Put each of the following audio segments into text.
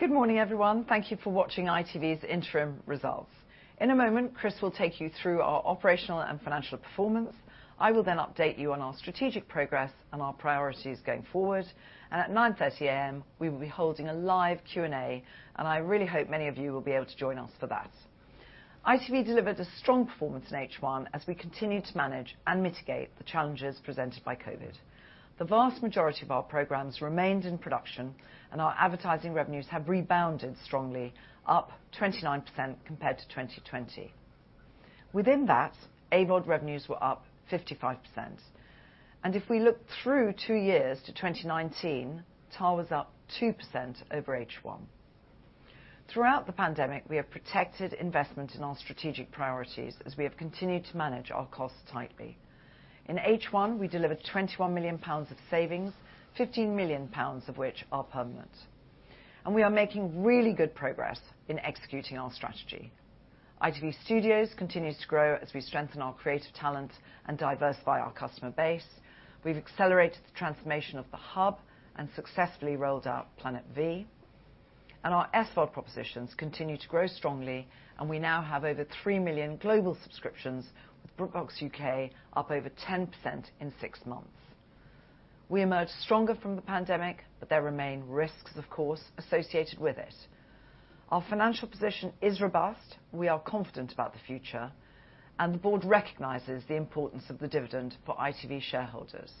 Good morning, everyone. Thank you for watching ITV's interim results. In a moment, Chris will take you through our operational and financial performance. I will then update you on our strategic progress and our priorities going forward. At 9:30 A.M., we will be holding a live Q&A, and I really hope many of you will be able to join us for that. ITV delivered a strong performance in H1 as we continue to manage and mitigate the challenges presented by COVID. The vast majority of our programs remained in production, and our advertising revenues have rebounded strongly, up 29% compared to 2020. Within that, AVOD revenues were up 55%. If we look through two years to 2019, TAR was up 2% over H1. Throughout the pandemic, we have protected investment in our strategic priorities as we have continued to manage our costs tightly. In H1, we delivered 21 million pounds of savings, 15 million pounds of which are permanent. We are making really good progress in executing our strategy. ITV Studios continues to grow as we strengthen our creative talents and diversify our customer base. We've accelerated the transformation of the hub and successfully rolled out Planet V. Our SVOD propositions continue to grow strongly, and we now have over 3 million global subscriptions with BritBox UK up over 10% in six months. We emerged stronger from the pandemic, but there remain risks, of course, associated with it. Our financial position is robust. We are confident about the future, and the board recognizes the importance of the dividend for ITV shareholders.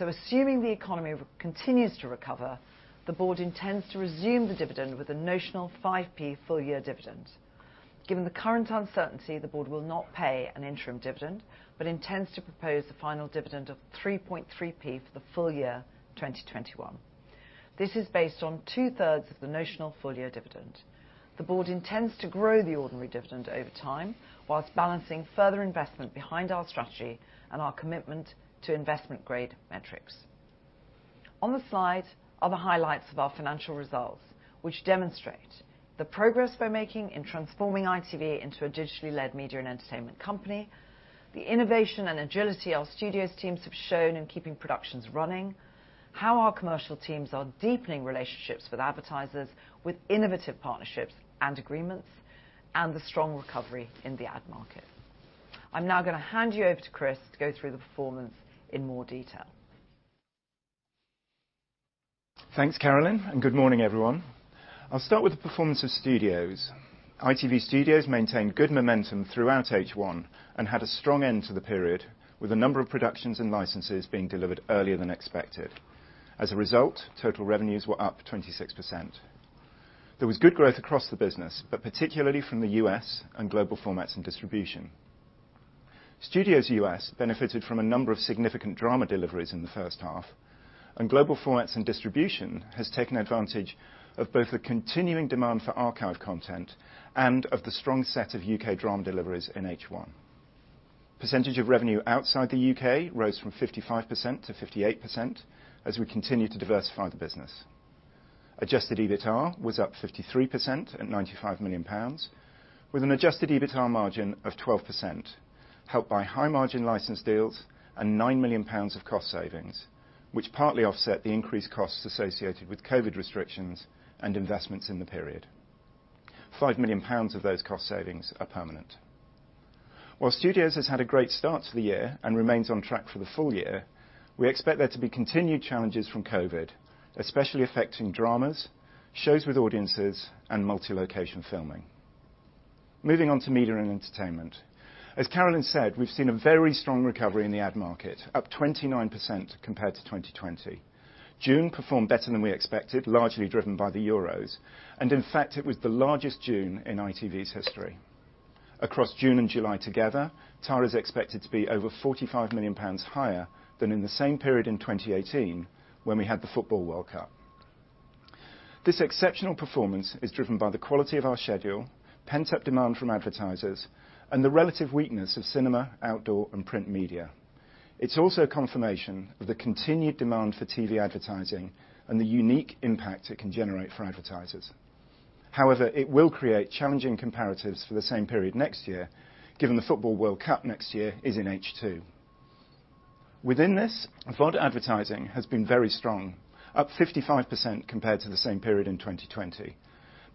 Assuming the economy continues to recover, the board intends to resume the dividend with a notional 0.05 full-year dividend. Given the current uncertainty, the board will not pay an interim dividend, but intends to propose the final dividend of 0.033 for the full year 2021. This is based on 2/3 of the notional full-year dividend. The board intends to grow the ordinary dividend over time whilst balancing further investment behind our strategy and our commitment to investment-grade metrics. On the slide are the highlights of our financial results, which demonstrate the progress we're making in transforming ITV into a digitally led media and entertainment company, the innovation and agility our studios teams have shown in keeping productions running, how our commercial teams are deepening relationships with advertisers with innovative partnerships and agreements, and the strong recovery in the ad market. I'm now going to hand you over to Chris to go through the performance in more detail. Thanks, Carolyn. Good morning, everyone. I'll start with the performance of ITV Studios. ITV Studios maintained good momentum throughout H1 and had a strong end to the period, with a number of productions and licenses being delivered earlier than expected. As a result, total revenues were up 26%. There was good growth across the business, but particularly from the U.S. and Global Formats and Distribution. ITV Studios U.S. benefited from a number of significant drama deliveries in the first half, and Global Formats and Distribution has taken advantage of both the continuing demand for archive content and of the strong set of U.K. drama deliveries in H1. Percentage of revenue outside the U.K. rose from 55%-58% as we continue to diversify the business. Adjusted EBITA was up 53% at 95 million pounds, with an adjusted EBITA margin of 12%, helped by high-margin license deals and 9 million pounds of cost savings, which partly offset the increased costs associated with COVID restrictions and investments in the period. 5 million pounds of those cost savings are permanent. While Studios has had a great start to the year and remains on track for the full year, we expect there to be continued challenges from COVID, especially affecting dramas, shows with audiences, and multi-location filming. Moving on to media and entertainment. As Carolyn said, we've seen a very strong recovery in the ad market, up 29% compared to 2020. June performed better than we expected, largely driven by the Euros, and in fact, it was the largest June in ITV's history. Across June and July together, TAR is expected to be over 45 million pounds higher than in the same period in 2018 when we had the football World Cup. This exceptional performance is driven by the quality of our schedule, pent-up demand from advertisers, and the relative weakness of cinema, outdoor, and print media. It's also a confirmation of the continued demand for TV advertising and the unique impact it can generate for advertisers. It will create challenging comparatives for the same period next year, given the football World Cup next year is in H2. Within this, VOD advertising has been very strong, up 55% compared to the same period in 2020.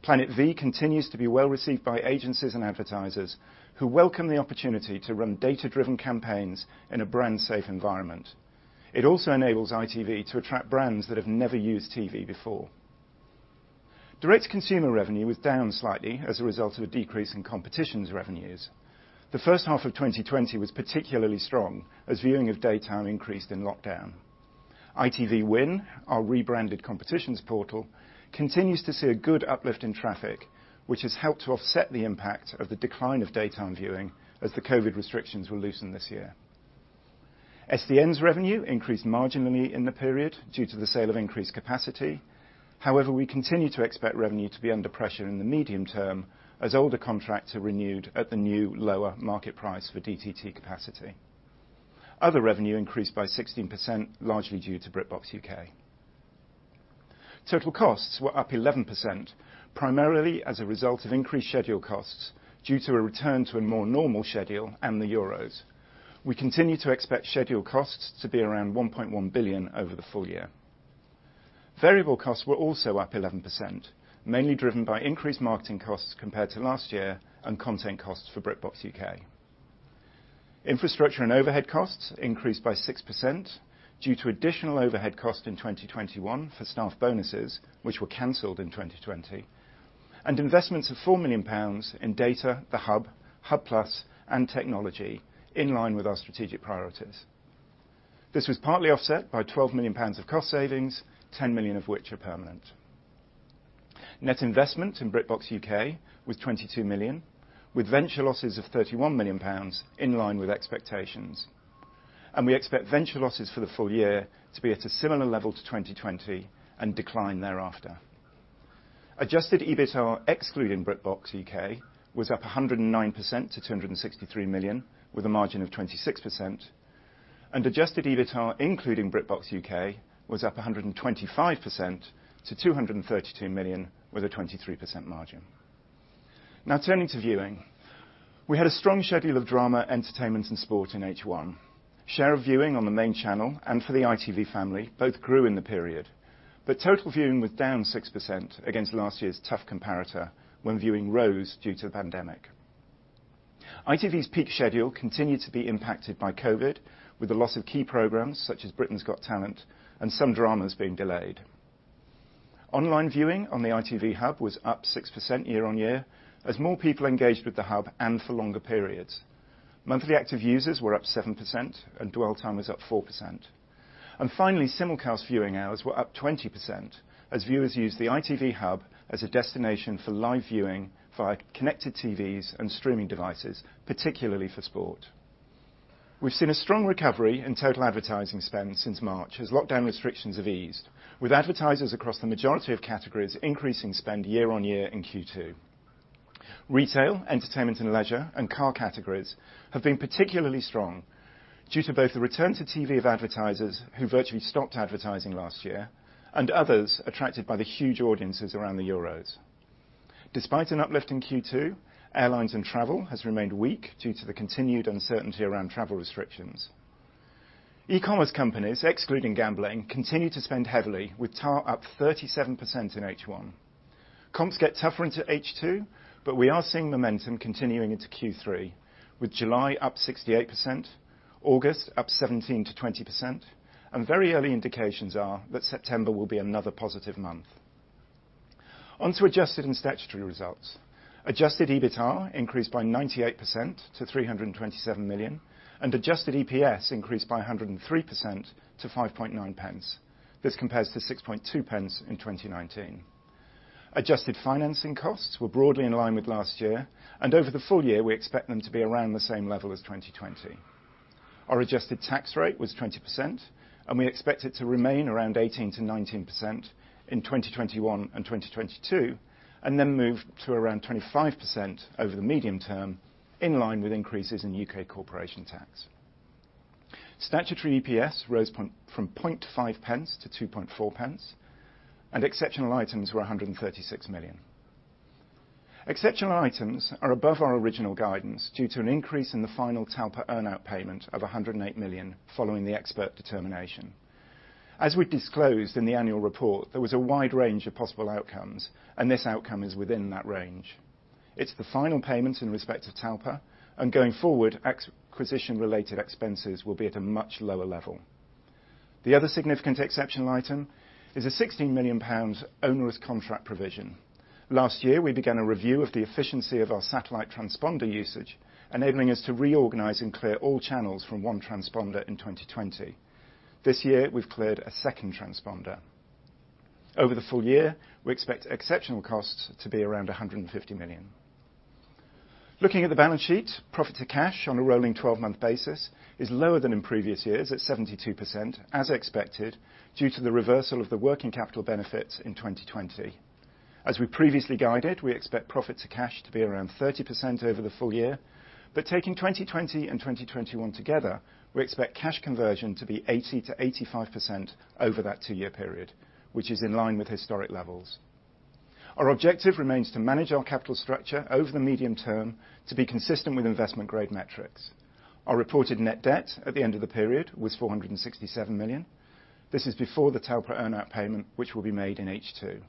Planet V continues to be well-received by agencies and advertisers who welcome the opportunity to run data-driven campaigns in a brand-safe environment. It also enables ITV to attract brands that have never used TV before. Direct-to-consumer revenue was down slightly as a result of a decrease in competitions revenues. The first half of 2020 was particularly strong, as viewing of daytime increased in lockdown. ITV Win, our rebranded competitions portal, continues to see a good uplift in traffic, which has helped to offset the impact of the decline of daytime viewing as the COVID restrictions were loosened this year. STNs revenue increased marginally in the period due to the sale of increased capacity. However, we continue to expect revenue to be under pressure in the medium term as older contracts are renewed at the new lower market price for DTT capacity. Other revenue increased by 16%, largely due to BritBox UK. Total costs were up 11%, primarily as a result of increased schedule costs due to a return to a more normal schedule and the Euros. We continue to expect schedule costs to be around 1.1 billion over the full year. Variable costs were also up 11%, mainly driven by increased marketing costs compared to last year and content costs for BritBox UK. Infrastructure and overhead costs increased by 6% due to additional overhead costs in 2021 for staff bonuses, which were canceled in 2020, and investments of 4 million pounds in data, the Hub+, and technology, in line with our strategic priorities. This was partly offset by 12 million pounds of cost savings, 10 million of which are permanent. Net investment in BritBox UK was 22 million, with venture losses of 31 million pounds, in line with expectations. We expect venture losses for the full year to be at a similar level to 2020 and decline thereafter. Adjusted EBITDA, excluding BritBox UK, was up 109% to 263 million, with a margin of 26%. Adjusted EBITDA, including BritBox UK, was up 125% to 232 million, with a 23% margin. Turning to viewing. We had a strong schedule of drama, entertainment, and sport in H1. Share of viewing on the main channel and for the ITV family both grew in the period, but total viewing was down 6% against last year's tough comparator when viewing rose due to the pandemic. ITV's peak schedule continued to be impacted by COVID, with the loss of key programs such as Britain's Got Talent and some dramas being delayed. Online viewing on the ITV Hub was up 6% year-on-year as more people engaged with the Hub and for longer periods. Monthly active users were up 7% and dwell time was up 4%. Finally, simulcast viewing hours were up 20% as viewers used the ITV Hub as a destination for live viewing via connected TVs and streaming devices, particularly for sport. We've seen a strong recovery in total advertising spend since March, as lockdown restrictions have eased, with advertisers across the majority of categories increasing spend year-on-year in Q2. Retail, entertainment and leisure, and car categories have been particularly strong due to both the return to TV of advertisers who virtually stopped advertising last year and others attracted by the huge audiences around the Euros. Despite an uplift in Q2, airlines and travel has remained weak due to the continued uncertainty around travel restrictions. E-commerce companies, excluding gambling, continue to spend heavily, with TAR up 37% in H1. Comps get tougher into H2, but we are seeing momentum continuing into Q3, with July up 68%, August up 17%-20%, and very early indications are that September will be another positive month. On to adjusted and statutory results. Adjusted EBITDA increased by 98% to 327 million, and adjusted EPS increased by 103% to 0.059. This compares to 0.062 in 2019. Adjusted financing costs were broadly in line with last year, and over the full year, we expect them to be around the same level as 2020. Our adjusted tax rate was 20%, and we expect it to remain around 18%-19% in 2021 and 2022, and then move to around 25% over the medium term, in line with increases in U.K. corporation tax. Statutory EPS rose from 0.005 to 0.024, and exceptional items were 136 million. Exceptional items are above our original guidance due to an increase in the final Talpa earn-out payment of 108 million following the expert determination. As we disclosed in the annual report, there was a wide range of possible outcomes, and this outcome is within that range. It's the final payment in respect of Talpa, and going forward, acquisition-related expenses will be at a much lower level. The other significant exceptional item is a 16 million pounds onerous contract provision. Last year, we began a review of the efficiency of our satellite transponder usage, enabling us to reorganize and clear all channels from one transponder in 2020. This year, we've cleared a second transponder. Over the full year, we expect exceptional costs to be around 150 million. Looking at the balance sheet, profit to cash on a rolling 12-month basis is lower than in previous years at 72%, as expected, due to the reversal of the working capital benefits in 2020. As we previously guided, we expect profit to cash to be around 30% over the full year, but taking 2020 and 2021 together, we expect cash conversion to be 80%-85% over that two-year period, which is in line with historic levels. Our objective remains to manage our capital structure over the medium term to be consistent with investment-grade metrics. Our reported net debt at the end of the period was 467 million. This is before the Talpa earn-out payment, which will be made in H2.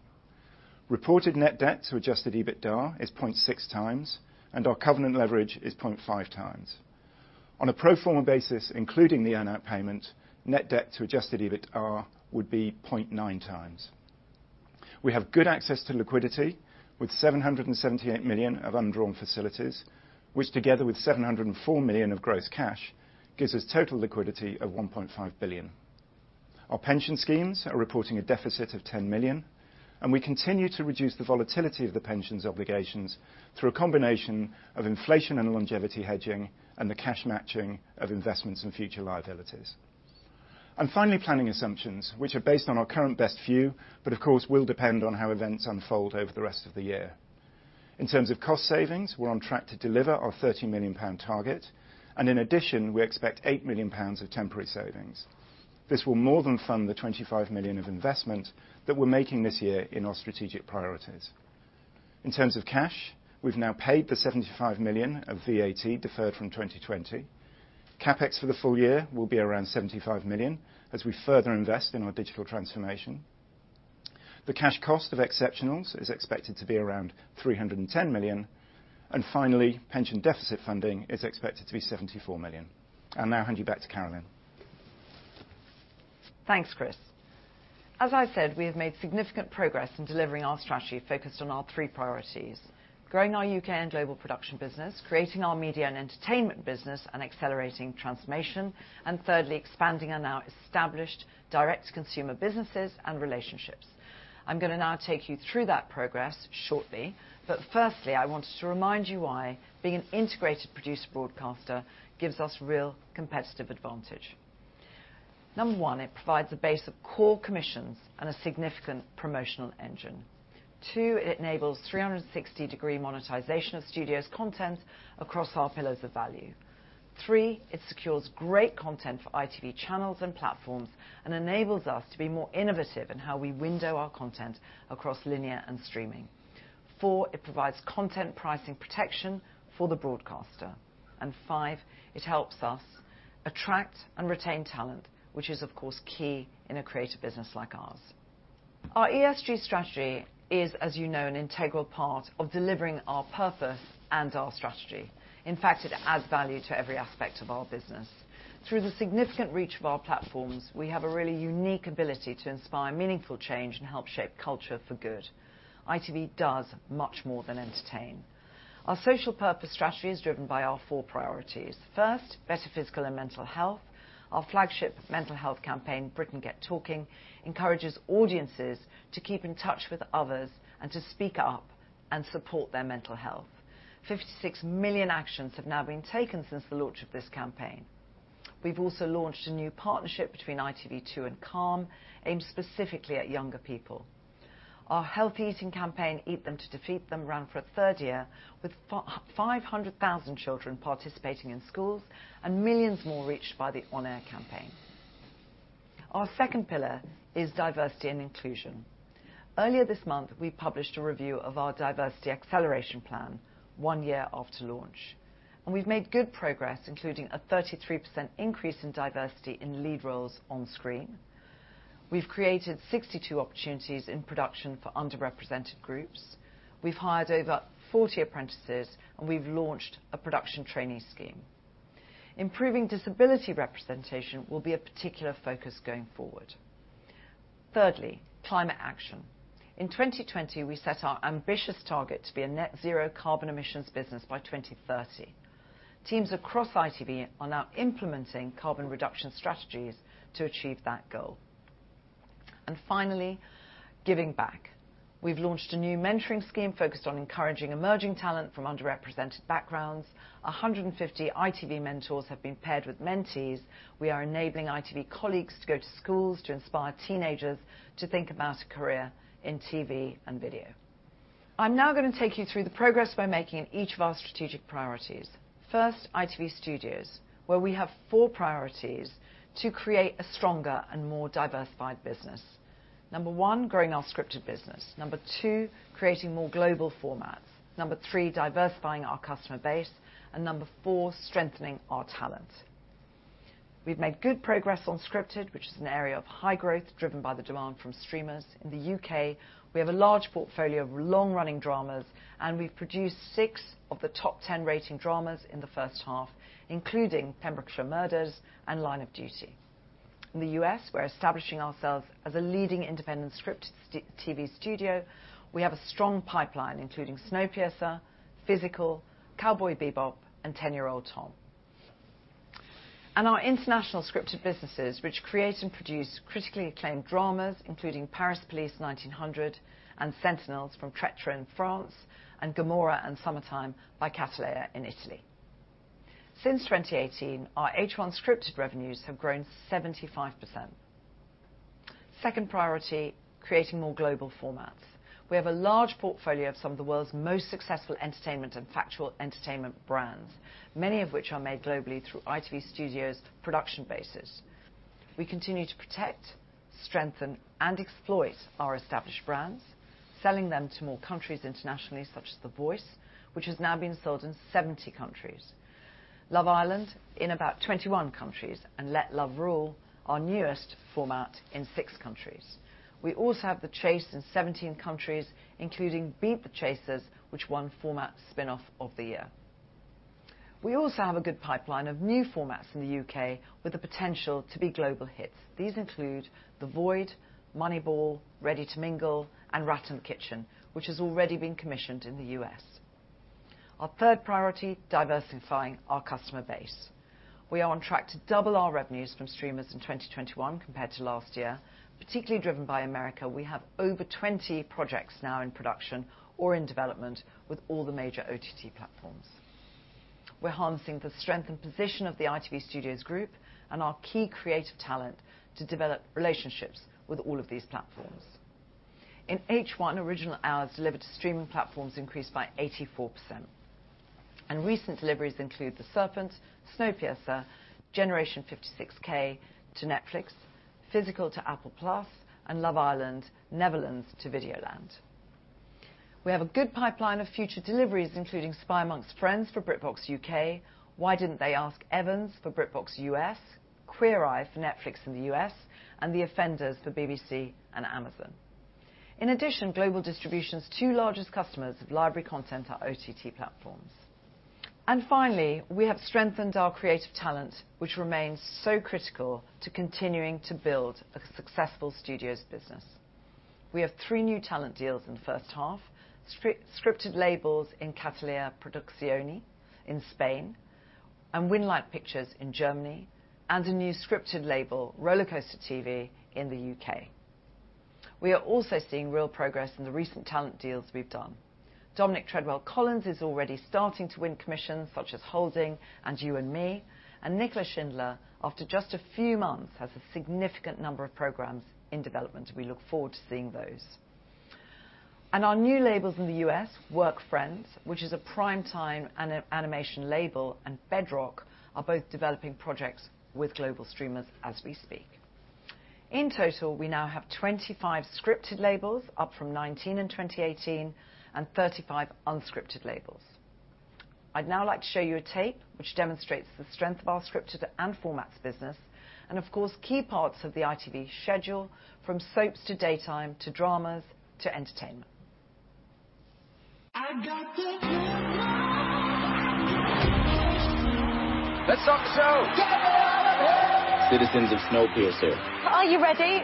Reported net debt to adjusted EBITDA is 0.6 times, and our covenant leverage is 0.5 times. On a pro forma basis, including the earn-out payment, net debt to adjusted EBITDA would be 0.9x. We have good access to liquidity with 778 million of undrawn facilities, which together with 704 million of gross cash, gives us total liquidity of 1.5 billion. Our pension schemes are reporting a deficit of 10 million, and we continue to reduce the volatility of the pensions obligations through a combination of inflation and longevity hedging and the cash matching of investments in future liabilities. Finally, planning assumptions, which are based on our current best view, but of course, will depend on how events unfold over the rest of the year. In terms of cost savings, we are on track to deliver our 30 million pound target, and in addition, we expect 8 million pounds of temporary savings. This will more than fund the 25 million of investment that we're making this year in our strategic priorities. In terms of cash, we've now paid the 75 million of VAT deferred from 2020. CapEx for the full year will be around 75 million, as we further invest in our digital transformation. The cash cost of exceptionals is expected to be around 310 million. Finally, pension deficit funding is expected to be 74 million. I'll now hand you back to Carolyn. Thanks, Chris. As I said, we have made significant progress in delivering our strategy focused on our three priorities: growing our U.K. and global production business, creating our media and entertainment business, and accelerating transformation, and thirdly, expanding our now established direct consumer businesses and relationships. I'm going to now take you through that progress shortly, firstly, I wanted to remind you why being an integrated producer broadcaster gives us real competitive advantage. Number one, it provides a base of core commissions and a significant promotional engine. Two, it enables 360-degree monetization of studios' content across our pillars of value. three, it secures great content for ITV channels and platforms and enables us to be more innovative in how we window our content across linear and streaming. four, it provides content pricing protection for the broadcaster. Five, it helps us attract and retain talent, which is, of course, key in a creative business like ours. Our ESG strategy is, as you know, an integral part of delivering our purpose and our strategy. In fact, it adds value to every aspect of our business. Through the significant reach of our platforms, we have a really unique ability to inspire meaningful change and help shape culture for good. ITV does much more than entertain. Our social purpose strategy is driven by our four priorities. First, better physical and mental health. Our flagship mental health campaign, Britain Get Talking, encourages audiences to keep in touch with others and to speak up and support their mental health. 56 million actions have now been taken since the launch of this campaign. We've also launched a new partnership between ITV2 and CALM, aimed specifically at younger people. Our healthy eating campaign, Eat Them to Defeat Them, ran for a third year, with 500,000 children participating in schools and millions more reached by the on-air campaign. Our second pillar is diversity and inclusion. Earlier this month, we published a review of our diversity acceleration plan 1 year after launch, and we've made good progress, including a 33% increase in diversity in lead roles on screen. We've created 62 opportunities in production for underrepresented groups. We've hired over 40 apprentices, and we've launched a production training scheme. Improving disability representation will be a particular focus going forward. Thirdly, Climate Action. In 2020, we set our ambitious target to be a net zero carbon emissions business by 2030. Teams across ITV are now implementing carbon reduction strategies to achieve that goal. Finally, giving back. We've launched a new mentoring scheme focused on encouraging emerging talent from underrepresented backgrounds. 150 ITV mentors have been paired with mentees. We are enabling ITV colleagues to go to schools to inspire teenagers to think about a career in TV and video. I'm now going to take you through the progress we're making in each of our strategic priorities. First, ITV Studios, where we have four priorities to create a stronger and more diversified business. Number one, growing our scripted business. Number two, creating more global formats. Number three, diversifying our customer base. Number four, strengthening our talent. We've made good progress on scripted, which is an area of high growth, driven by the demand from streamers. In the U.K., we have a large portfolio of long-running dramas, and we've produced six of the top 10 rating dramas in the first half, including Pembrokeshire Murders and Line of Duty. In the U.S., we're establishing ourselves as a leading independent scripted TV studio. We have a strong pipeline, including Snowpiercer, Physical, Cowboy Bebop, and Ten Year Old Tom. Our international scripted businesses, which create and produce critically acclaimed dramas, including Paris Police 1900 and Sentinelles from Tetra Media in France, and Gomorrah and Summertime by Cattleya in Italy. Since 2018, our H1 scripted revenues have grown 75%. Second priority, creating more global formats. We have a large portfolio of some of the world's most successful entertainment and factual entertainment brands, many of which are made globally through ITV Studios production bases. We continue to protect, strengthen, and exploit our established brands, selling them to more countries internationally, such as The Voice, which has now been sold in 70 countries, Love Island in about 21 countries, and Let Love Rule, our newest format, in six countries. We also have The Chase in 17 countries, including Beat the Chasers, which won Format Spin-off of the Year. We also have a good pipeline of new formats in the UK with the potential to be global hits. These include The Void, Moneyball, Ready to Mingle, and Rat in the Kitchen, which has already been commissioned in the US. Our third priority, diversifying our customer base. We are on track to double our revenues from streamers in 2021 compared to last year. Particularly driven by America, we have over 20 projects now in production or in development with all the major OTT platforms. We're harnessing the strength and position of the ITV Studios group, and our key creative talent, to develop relationships with all of these platforms. In H1, original hours delivered to streaming platforms increased by 84%. Recent deliveries include The Serpent, Snowpiercer, Generation 56K to Netflix, Physical to Apple TV+, and Love Island, Netherlands to Videoland. We have a good pipeline of future deliveries, including A Spy Among Friends for BritBox UK, Why Didn't They Ask Evans? for BritBox US, Queer Eye for Netflix in the U.S., and The Offenders for BBC and Amazon. In addition, global distribution's two largest customers of library content are OTT platforms. Finally, we have strengthened our creative talent, which remains so critical to continuing to build a successful studios business. We have three new talent deals in the first half, scripted labels in Cattleya Producciones in Spain, and Windlight Pictures in Germany, and a new scripted label, Rollercoaster Television, in the U.K. We are also seeing real progress in the recent talent deals we've done. Dominic Treadwell-Collins is already starting to win commissions, such as Holding and You & Me. Nicola Shindler, after just a few months, has a significant number of programs in development. We look forward to seeing those. Our new labels in the U.S., Work Friends, which is a prime-time animation label, and Bedrock, are both developing projects with global streamers as we speak. In total, we now have 25 scripted labels, up from 19 in 2018, and 35 unscripted labels. I'd now like to show you a tape which demonstrates the strength of our scripted and formats business, and of course, key parts of the ITV schedule, from soaps to daytime, to dramas, to entertainment. I got the rhythm. I got the rhythm. Let's start the show. I got the rhythm. Citizens of Snowpiercer. Are you ready?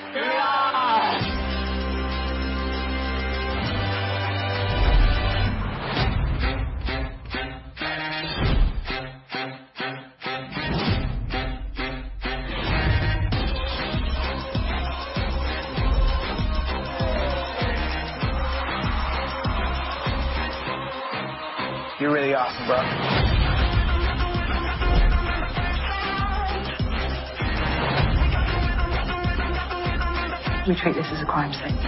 We are. You're really asking, bro? We got the rhythm. We got the rhythm. We got the rhythm. We got the rhythm. We treat this as a crime scene.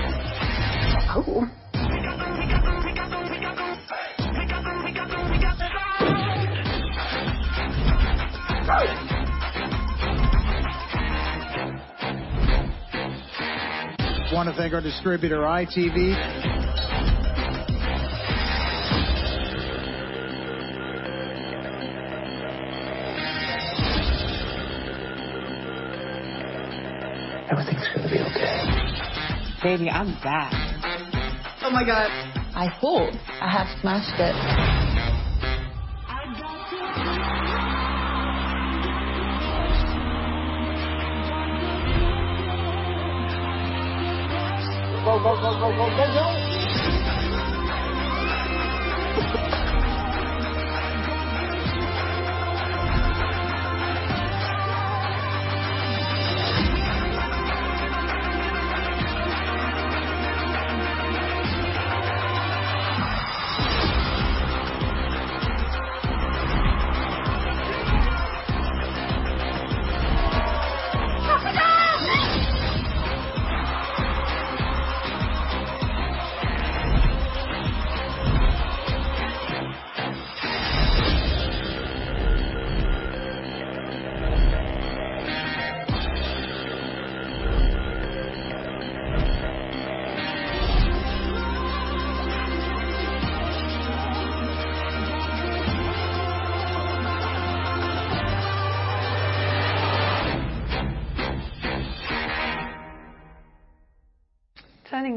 Cool. We got the. Hey. We got the rhythm. I want to thank our distributor, ITV. Everything's going to be okay. Baby, I'm back. Oh my God. I thought I had smashed it. I got the rhythm. I got the rhythm. I got the rhythm. Go.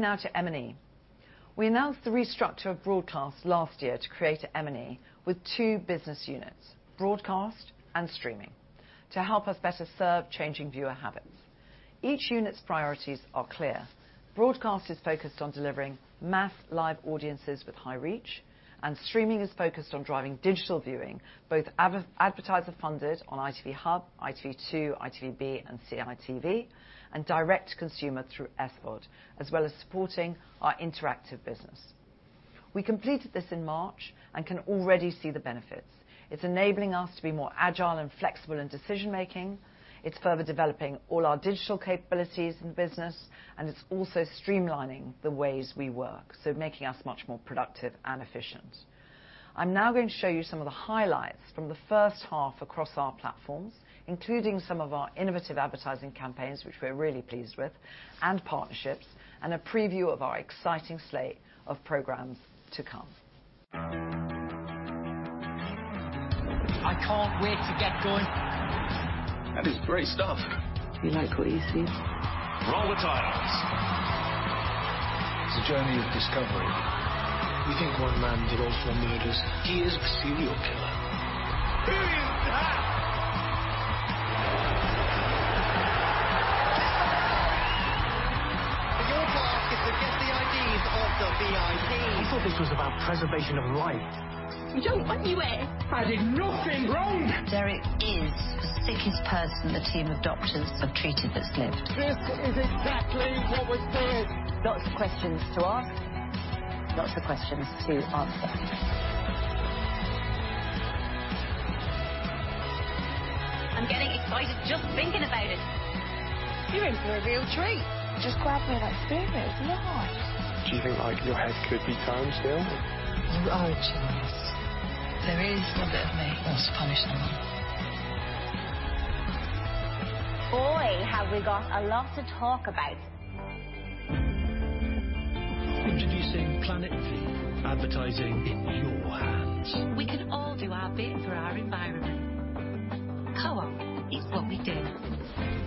I got the rhythm. Turning now to M&E. We announced the restructure of broadcast last year to create M&E with two business units, broadcast and streaming, to help us better serve changing viewer habits. Each unit's priorities are clear. Broadcast is focused on delivering mass live audiences with high reach, and streaming is focused on driving digital viewing, both advertiser funded on ITV Hub, ITV2, ITVBe, and CITV, and direct to consumer through AVOD, as well as supporting our interactive business. We completed this in March and can already see the benefits. It's enabling us to be more agile and flexible in decision-making, it's further developing all our digital capabilities in the business, and it's also streamlining the ways we work, so making us much more productive and efficient. I'm now going to show you some of the highlights from the first half across our platforms, including some of our innovative advertising campaigns, which we're really pleased with, and partnerships, and a preview of our exciting slate of programs to come. I can't wait to get going. That is great stuff. You like what you see? Roll the titles. It's a journey of discovery. You think one man did all four murders? He is the Serial Killer. Who is that? Your task is to get the IDs of the VIs. I thought this was about preservation of life. You don't want me here. I did nothing wrong. Derek. Sickest person the team of doctors have treated that's lived. This is exactly what we feared. Lots of questions to ask, lots of questions to answer. I'm getting excited just thinking about it. You're in for a real treat. It just grabbed me like spirit. It was nice. Do you think your head could be turned still? You are jealous. There is one bit of me wants to punish them. Boy, have we got a lot to talk about. Introducing Planet V, advertising in your hands. We can all do our bit for our environment. Co-op, it's what we do.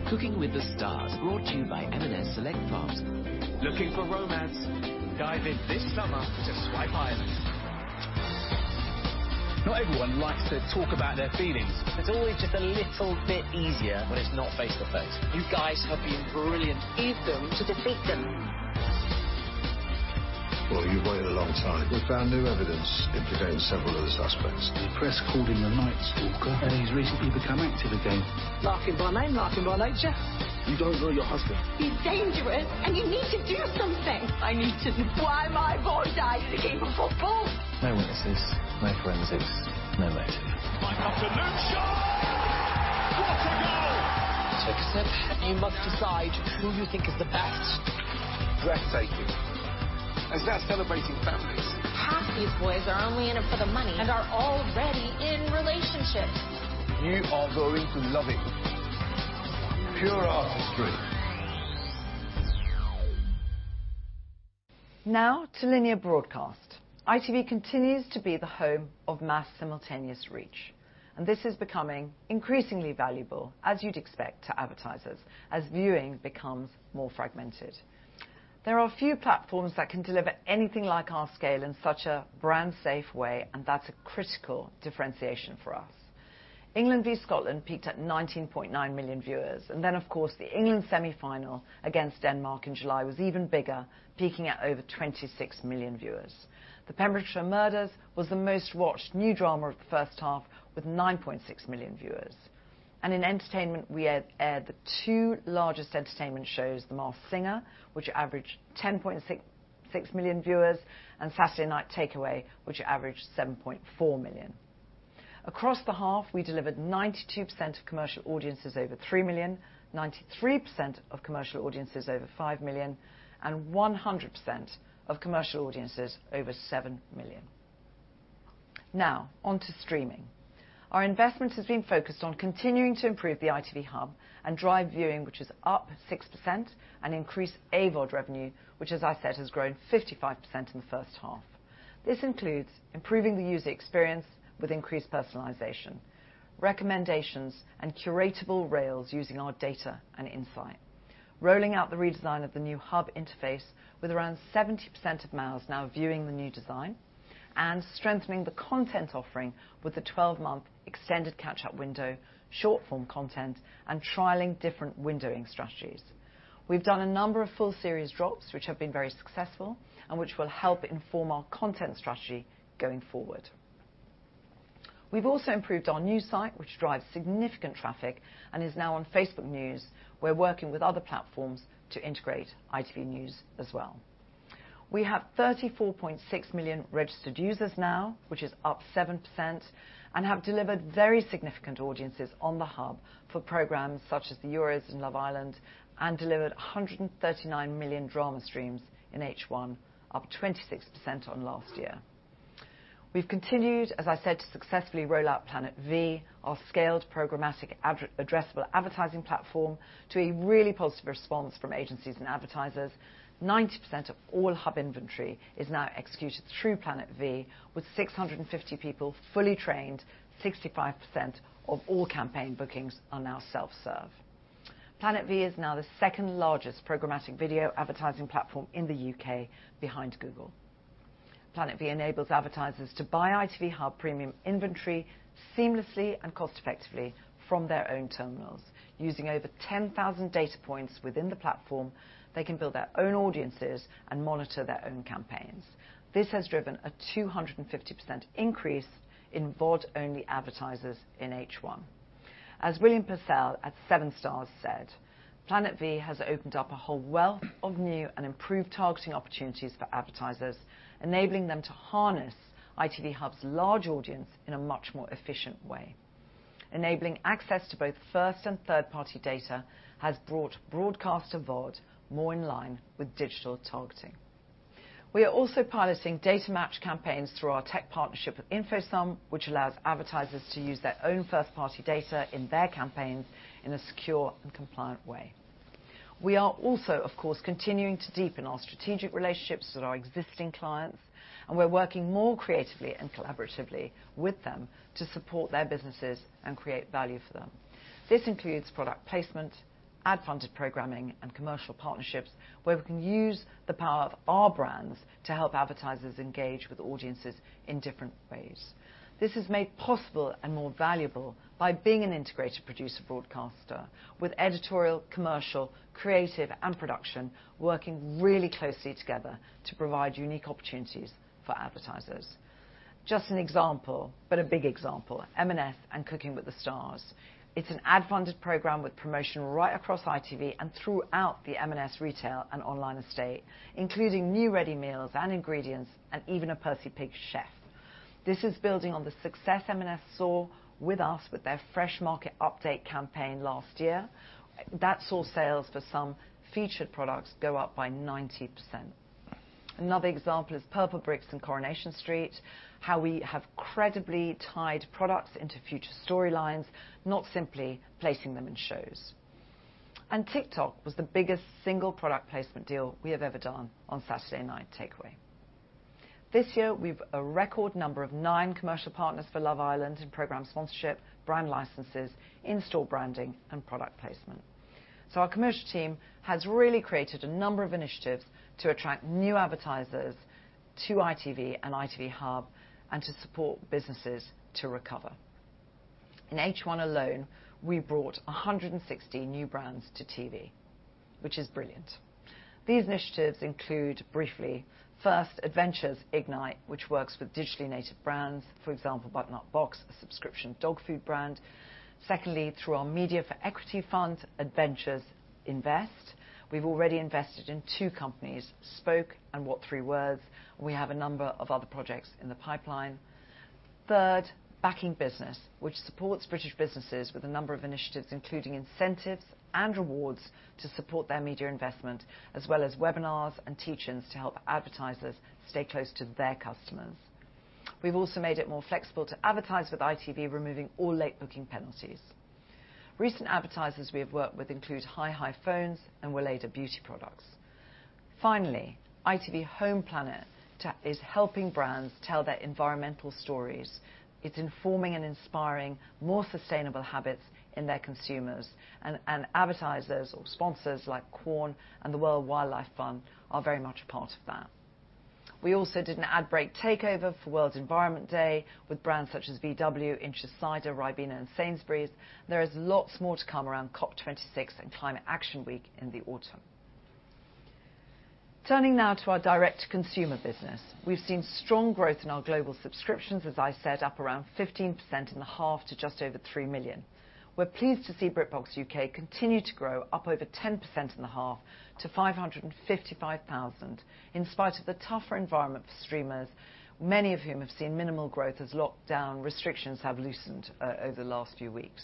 Cooking with the Stars, brought to you by M&S Select Farms. Looking for romance? Dive in this summer to Swipe Island. Not everyone likes to talk about their feelings. It's always just a little bit easier when it's not face-to-face. You guys have been brilliant. Eat Them to Defeat Them. Well, you've waited a long time. We found new evidence implicating several other suspects. The press called him The Night Stalker, and he's recently become active again. Marking by name, marking by nature. You don't know your husband. He's dangerous, and you need to do something. I need to know why my boy died in a game of football. No witnesses, no forensics, no motive. Mike up to Newshaw. What a goal. Take a sip. You must decide who you think is the best. Breathtaking. It starts celebrating families. Half these boys are only in it for the money and are already in relationships. You are going to love it. Pure artistry. To linear broadcast. ITV continues to be the home of mass simultaneous reach, this is becoming increasingly valuable, as you'd expect, to advertisers, as viewing becomes more fragmented. There are few platforms that can deliver anything like our scale in such a brand-safe way, that's a critical differentiation for us. England v Scotland peaked at 19.9 million viewers, of course, the England semifinal against Denmark in July was even bigger, peaking at over 26 million viewers. The Pembrokeshire Murders was the most-watched new drama of the first half, with 9.6 million viewers. In entertainment, we aired the two largest entertainment shows, The Masked Singer, which averaged 10.6 million viewers, and Saturday Night Takeaway, which averaged 7.4 million. Across the half, we delivered 92% of commercial audiences over 3 million, 93% of commercial audiences over 5 million, and 100% of commercial audiences over 7 million. Now, onto streaming. Our investment has been focused on continuing to improve the ITV Hub and drive viewing, which is up 6%, and increase AVOD revenue, which as I said, has grown 55% in the first half. This includes improving the user experience with increased personalization, recommendations, and curatable rails using our data and insight. Rolling out the redesign of the new Hub interface with around 70% of months now viewing the new design, and strengthening the content offering with a 12-month extended catch-up window, short-form content, and trialing different windowing strategies. We've done a number of full series drops which have been very successful, and which will help inform our content strategy going forward. We've also improved our news site, which drives significant traffic and is now on Facebook News. We're working with other platforms to integrate ITV News as well. We have 34.6 million registered users now, which is up 7%, and have delivered very significant audiences on the hub for programs such as the Euros and Love Island, and delivered 139 million drama streams in H1, up 26% on last year. We've continued, as I said, to successfully roll out Planet V, our scaled programmatic addressable advertising platform, to a really positive response from agencies and advertisers. 90% of all hub inventory is now executed through Planet V, with 650 people fully trained. 65% of all campaign bookings are now self-serve. Planet V is now the second-largest programmatic video advertising platform in the UK, behind Google. Planet V enables advertisers to buy ITV Hub premium inventory seamlessly and cost-effectively from their own terminals. Using over 10,000 data points within the platform, they can build their own audiences and monitor their own campaigns. This has driven a 250% increase in VOD-only advertisers in H1. As William Purcell at Seven Stars said, Planet V has opened up a whole wealth of new and improved targeting opportunities for advertisers, enabling them to harness ITV Hub's large audience in a much more efficient way. Enabling access to both first and third-party data has brought broadcast to VOD more in line with digital targeting. We are also piloting data match campaigns through our tech partnership with InfoSum, which allows advertisers to use their own first-party data in their campaigns in a secure and compliant way. We are also, of course, continuing to deepen our strategic relationships with our existing clients, and we're working more creatively and collaboratively with them to support their businesses and create value for them. This includes product placement, ad-funded programming, and commercial partnerships, where we can use the power of our brands to help advertisers engage with audiences in different ways. This is made possible and more valuable by being an integrated producer broadcaster with editorial, commercial, creative, and production working really closely together to provide unique opportunities for advertisers. Just an example, but a big example, M&S and Cooking With the Stars. It's an ad-funded program with promotion right across ITV and throughout the M&S retail and online estate, including new ready meals and ingredients, and even a Percy Pig chef. This is building on the success M&S saw with us with their Fresh Market Update campaign last year. That saw sales for some featured products go up by 90%. Another example is Purplebricks and Coronation Street, how we have credibly tied products into future storylines, not simply placing them in shows. TikTok was the biggest single product placement deal we have ever done on Saturday Night Takeaway. This year, we've a record number of nine commercial partners for Love Island in program sponsorship, brand licenses, in-store branding, and product placement. Our commercial team has really created a number of initiatives to attract new advertisers to ITV and ITV Hub and to support businesses to recover. In H1 alone, we brought 160 new brands to TV, which is brilliant. These initiatives include, briefly, first, AdVentures Ignite, which works with digitally native brands, for example, Butternut Box, a subscription dog food brand. Secondly, through our media for equity fund, AdVentures Invest. We've already invested in two companies, Spoke and what3words. We have a number of other projects in the pipeline. Third, backing business, which supports British businesses with a number of initiatives, including incentives and rewards to support their media investment, as well as webinars and teach-ins to help advertisers stay close to their customers. We've also made it more flexible to advertise with ITV, removing all late booking penalties. Recent advertisers we have worked with include HiHi Phones and Weleda beauty products. Finally, ITV Home Planet is helping brands tell their environmental stories. It's informing and inspiring more sustainable habits in their consumers, and advertisers or sponsors like Quorn and the World Wildlife Fund are very much a part of that. We also did an ad break takeover for World Environment Day with brands such as VW, Inch's Cider, Ribena, and Sainsbury's. There is lots more to come around COP26 and Climate Action Week in the autumn. Turning now to our direct-to-consumer business. We've seen strong growth in our global subscriptions, as I said, up around 15% in the half to just over 3 million. We're pleased to see BritBox UK continue to grow up over 10% in the half to 555,000 in spite of the tougher environment for streamers, many of whom have seen minimal growth as lockdown restrictions have loosened over the last few weeks.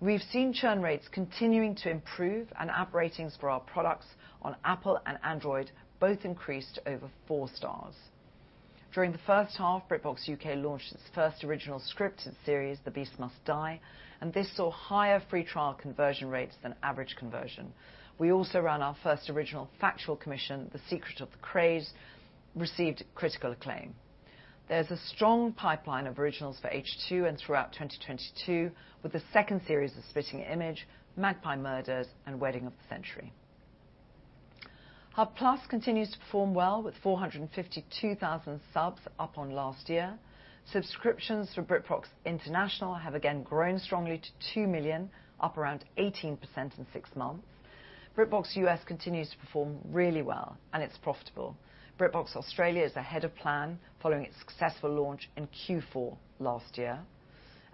We've seen churn rates continuing to improve. App ratings for our products on Apple and Android both increased over four stars. During the first half, BritBox UK launched its first original scripted series, "The Beast Must Die." This saw higher free trial conversion rates than average conversion. We also ran our first original factual commission, "The Secret of the Krays," received critical acclaim. There's a strong pipeline of originals for H2 and throughout 2022 with the second series of "Spitting Image," "Magpie Murders," and "Wedding of the Century." Hub+ continues to perform well with 452,000 subs up on last year. Subscriptions for BritBox International have again grown strongly to 2 million, up around 18% in six months. BritBox US continues to perform really well, and it's profitable. BritBox Australia is ahead of plan following its successful launch in Q4 last year,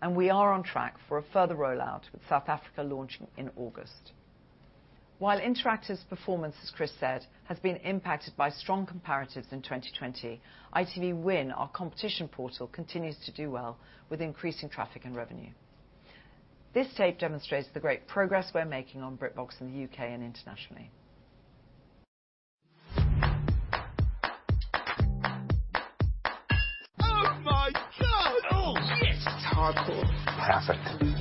and we are on track for a further rollout with South Africa launching in August. While Interactive's performance, as Chris said, has been impacted by strong comparatives in 2020, ITV Win, our competition portal, continues to do well with increasing traffic and revenue. This tape demonstrates the great progress we're making on BritBox in the U.K. and internationally. Oh my God. Oh, yes. It's hardcore. Perfect.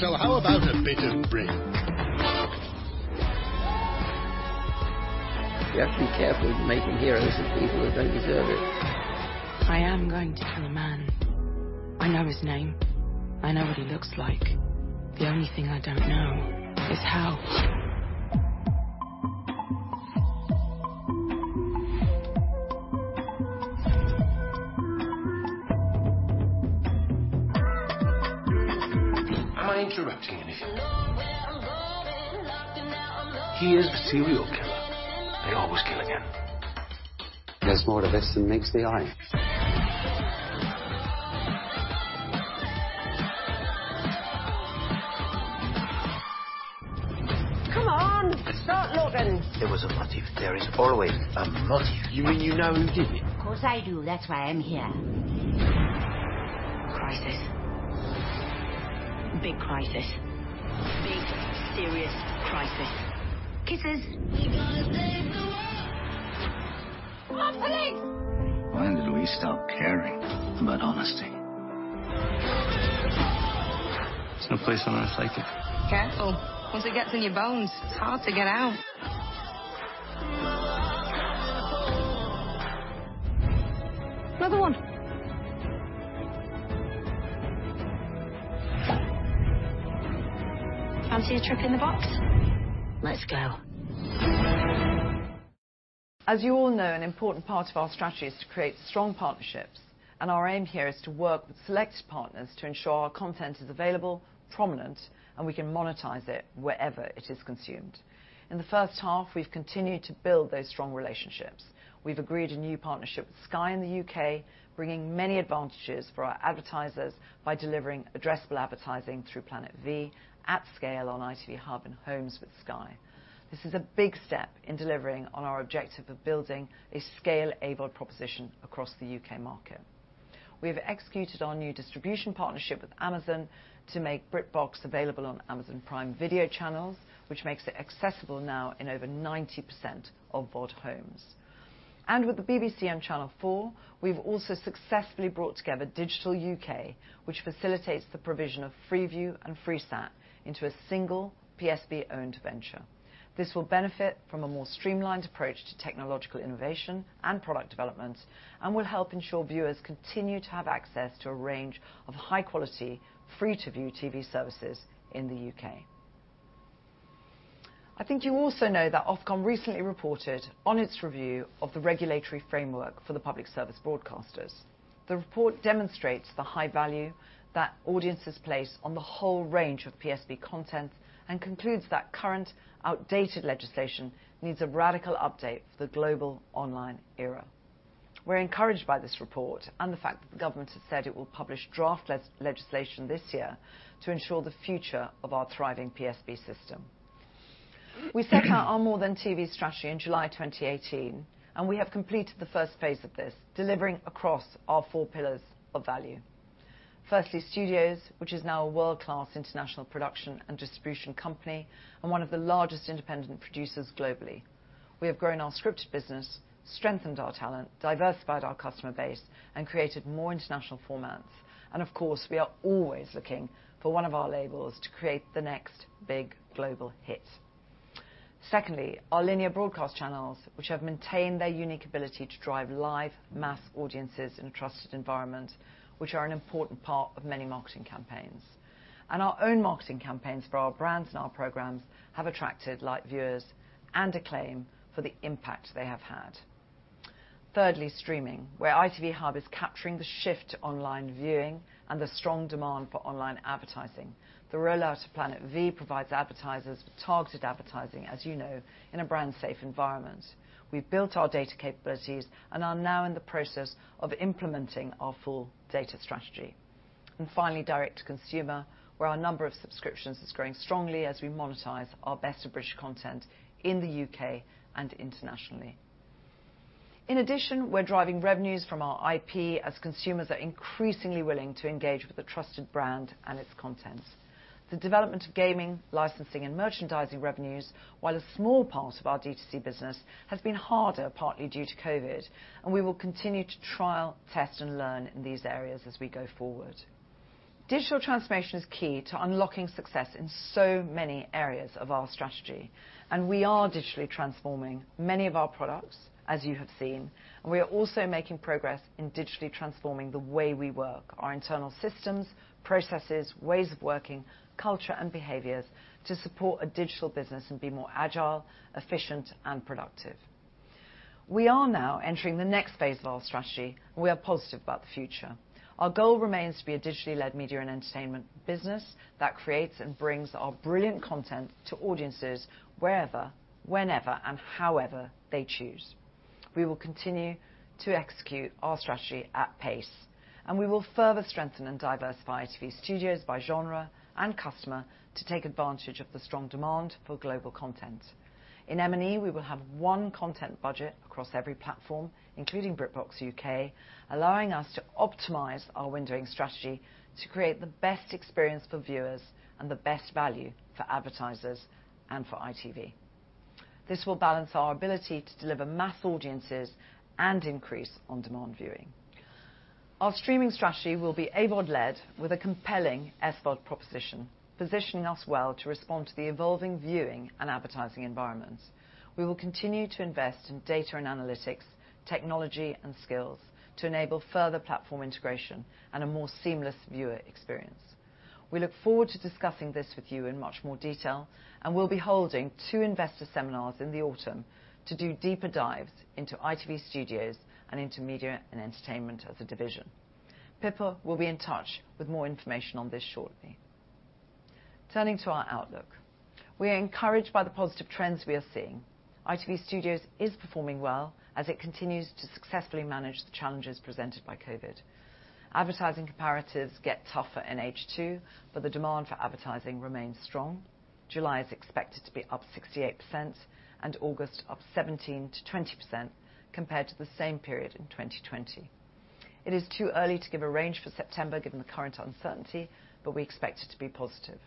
How about a bit of Brit? You have to be careful making heroes of people who don't deserve it. I am going to kill a man. I know his name. I know what he looks like. The only thing I don't know is how. Am I interrupting anything? He is a serial killer. They always kill again. He has more of this than meets the eye. Come on, start looking. There was a motive. There is always a motive. You mean you know who did it? Of course I do. That's why I'm here. Crisis. Big crisis. Big, serious crisis. Kisses. We're gonna save the world. I'm police. When did we stop caring about honesty? There's no place on Earth like it. Careful. Once it gets in your bones, it's hard to get out. Another one. Fancy a trip in the box? Let's go. As you all know, an important part of our strategy is to create strong partnerships. Our aim here is to work with select partners to ensure our content is available, prominent, and we can monetize it wherever it is consumed. In the first half, we've continued to build those strong relationships. We've agreed a new partnership with Sky in the U.K., bringing many advantages for our advertisers by delivering addressable advertising through Planet V at scale on ITV Hub and homes with Sky. This is a big step in delivering on our objective of building a scale AVOD proposition across the U.K. market. We have executed our new distribution partnership with Amazon to make BritBox available on Amazon Prime Video channels, which makes it accessible now in over 90% of VOD homes. With the BBC and Channel 4, we've also successfully brought together Digital UK, which facilitates the provision of Freeview and Freesat into a single PSB-owned venture. This will benefit from a more streamlined approach to technological innovation and product development, and will help ensure viewers continue to have access to a range of high-quality, free-to-view TV services in the U.K. I think you also know that Ofcom recently reported on its review of the regulatory framework for the public service broadcasters. The report demonstrates the high value that audiences place on the whole range of PSB content, and concludes that current outdated legislation needs a radical update for the global online era. We're encouraged by this report and the fact that the government has said it will publish draft legislation this year to ensure the future of our thriving PSB system. We set out our More Than TV strategy in July 2018, and we have completed the first phase of this, delivering across our four pillars of value. Firstly, Studios, which is now a world-class international production and distribution company, and one of the largest independent producers globally. We have grown our scripted business, strengthened our talent, diversified our customer base, and created more international formats. Of course, we are always looking for one of our labels to create the next big global hit. Secondly, our linear broadcast channels, which have maintained their unique ability to drive live mass audiences in a trusted environment, which are an important part of many marketing campaigns. Our own marketing campaigns for our brands and our programs have attracted light viewers and acclaim for the impact they have had. Thirdly, streaming, where ITV Hub is capturing the shift to online viewing and the strong demand for online advertising. The rollout of Planet V provides advertisers with targeted advertising, as you know, in a brand-safe environment. We've built our data capabilities and are now in the process of implementing our full data strategy. Finally, direct-to-consumer, where our number of subscriptions is growing strongly as we monetize our best British content in the UK and internationally. In addition, we're driving revenues from our IP as consumers are increasingly willing to engage with a trusted brand and its contents. The development of gaming, licensing, and merchandising revenues, while a small part of our D2C business, has been harder, partly due to COVID. We will continue to trial, test, and learn in these areas as we go forward. Digital transformation is key to unlocking success in so many areas of our strategy. We are digitally transforming many of our products as you have seen. We are also making progress in digitally transforming the way we work, our internal systems, processes, ways of working, culture, and behaviors to support a digital business and be more agile, efficient, and productive. We are now entering the next phase of our strategy. We are positive about the future. Our goal remains to be a digitally led media and entertainment business that creates and brings our brilliant content to audiences wherever, whenever, and however they choose. We will continue to execute our strategy at pace, and we will further strengthen and diversify ITV Studios by genre and customer to take advantage of the strong demand for global content. In M&E, we will have one content budget across every platform, including BritBox UK, allowing us to optimize our windowing strategy to create the best experience for viewers and the best value for advertisers and for ITV. This will balance our ability to deliver mass audiences and increase on-demand viewing. Our streaming strategy will be AVOD-led with a compelling SVOD proposition, positioning us well to respond to the evolving viewing and advertising environments. We will continue to invest in data and analytics, technology, and skills to enable further platform integration and a more seamless viewer experience. We look forward to discussing this with you in much more detail, and we'll be holding two investor seminars in the autumn to do deeper dives into ITV Studios and into Media and Entertainment as a division. Pippa will be in touch with more information on this shortly. Turning to our outlook. We are encouraged by the positive trends we are seeing. ITV Studios is performing well as it continues to successfully manage the challenges presented by COVID. Advertising comparatives get tougher in H2, but the demand for advertising remains strong. July is expected to be up 68% and August up 17%-20% compared to the same period in 2020. It is too early to give a range for September given the current uncertainty, but we expect it to be positive.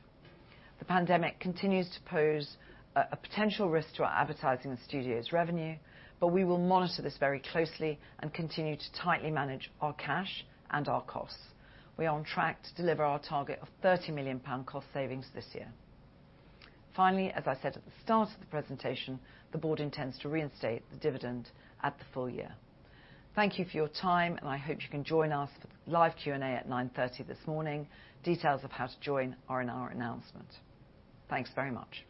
The pandemic continues to pose a potential risk to our advertising and Studios revenue. We will monitor this very closely and continue to tightly manage our cash and our costs. We are on track to deliver our target of £30 million cost savings this year. Finally, as I said at the start of the presentation, the board intends to reinstate the dividend at the full year. Thank you for your time. I hope you can join us for the live Q&A at 9:30 A.M. this morning. Details of how to join are in our announcement. Thanks very much.